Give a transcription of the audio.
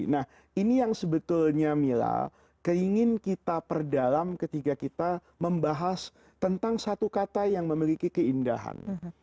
nah ini yang sebetulnya mila keingin kita perdalam ketika kita membahas tentang satu kata yang memiliki keindahan